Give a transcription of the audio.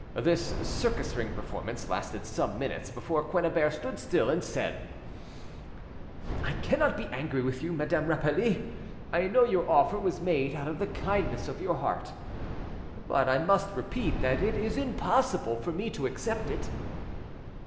This circus ring performance lasted some minutes before Quennebert stood still and said— "I cannot be angry with you, Madame Rapally, I know your offer was made out of the kindness of your heart,—but I must repeat that it is impossible for me to accept it."